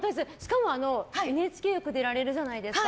ＮＨＫよく出られるじゃないですか。